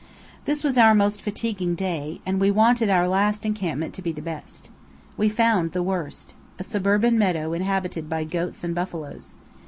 This was our most fatiguing day, and we wanted our last encampment to be the best. We found the worst: a suburban meadow inhabited by goats and buffaloes.